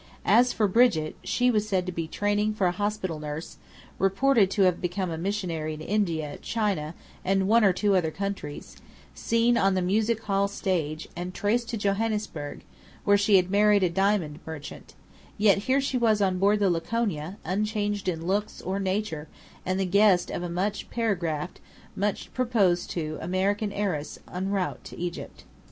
As for Brigit, she was said to be training for a hospital nurse: reported to have become a missionary in India, China, and one or two other countries; seen on the music hall stage, and traced to Johannesburg, where she had married a diamond merchant; yet here she was on board the Laconia, unchanged in looks, or nature, and the guest of a much paragraphed, much proposed to American heiress en route to Egypt.